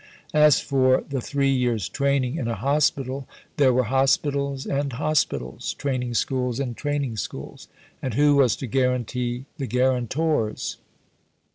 As for the three years' training in a hospital, there were hospitals and hospitals, training schools and training schools; and who was to guarantee the guarantors?